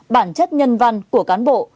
bản chất nhân văn của cán bộ